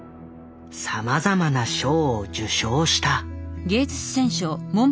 さまざまな賞を受賞した。